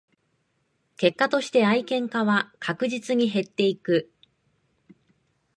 結果として愛好家は確実に減っていく